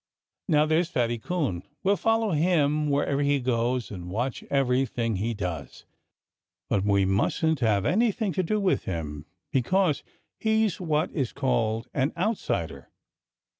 "Now, there's Fatty Coon! We'll follow him wherever he goes, and watch everything he does. But we mustn't have anything to do with him, because he's what is called an 'outsider'."